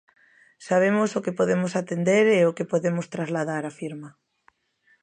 Sabemos o que podemos atender e o que podemos trasladar, afirma.